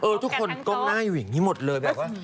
ทุกคนก้มหน้าอยู่อย่างนี้หมดเลยแบบว่า